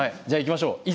じゃあいきましょう。